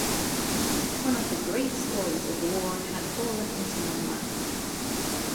One of the great stories of the war had fallen into my lap.